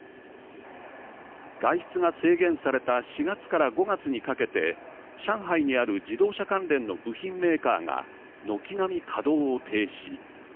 外出が制限された４月から５月にかけて上海にある自動車関連の部品メーカーが軒並み稼働を停止。